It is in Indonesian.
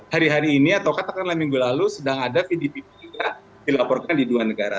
hari hari ini atau katakanlah minggu lalu sedang ada vdp juga dilaporkan di dua negara